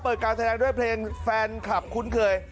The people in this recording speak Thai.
การแสดงด้วยเพลงแฟนคลับคุ้นเคย